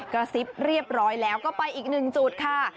กระซิบเรียบร้อยแล้วก็ไปอีกหนึ่งจุดค่ะ